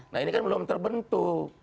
nah ini kan belum terbentuk